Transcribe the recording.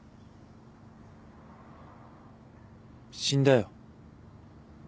死んだよ。